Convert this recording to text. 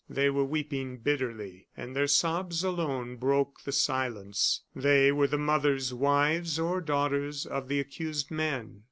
They were weeping bitterly, and their sobs alone broke the silence. They were the mothers, wives, or daughters of the accused men.